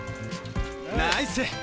ナイス！